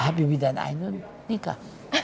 habibie dan ainun nikah